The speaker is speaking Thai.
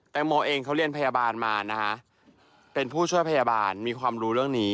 โมเองเขาเรียนพยาบาลมานะคะเป็นผู้ช่วยพยาบาลมีความรู้เรื่องนี้